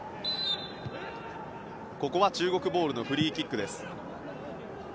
ここは中国ボールのフリーキックです。